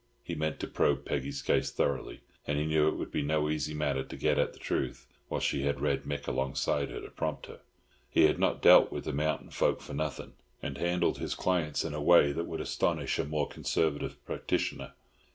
He meant to probe Peggy's case thoroughly, and knew that it would be no easy matter to get at the truth while she had Red Mick alongside to prompt her. He had not dealt with the mountain folk for nothing, and handled his clients in a way that would astonish a more conservative practitioner.